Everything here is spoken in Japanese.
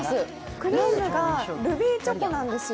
クリームがルビーチョコなんですよ。